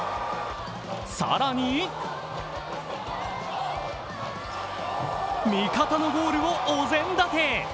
更に味方のゴールをお膳立て。